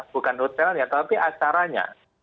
bukan hotelnya tapi acaranya